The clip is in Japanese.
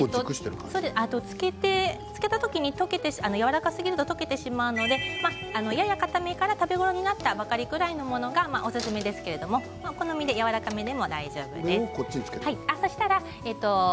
つけた時にやわらかすぎると溶けてしまうのでややかためから食べ頃になったぐらいの方がおすすめですけれど好みでやわらかめでも大丈夫です。